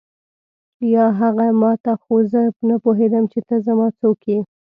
یا هغه ما ته خو زه نه پوهېږم چې ته زما څوک یې.